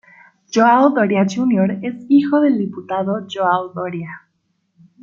João Doria Júnior es hijo del diputado João Doria.